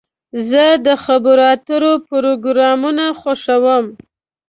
زه د خبرو اترو پروګرامونه خوښوم.